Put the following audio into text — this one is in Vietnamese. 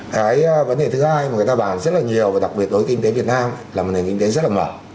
cái vấn đề thứ hai mà người ta bàn rất là nhiều và đặc biệt đối với kinh tế việt nam là một nền kinh tế rất là mở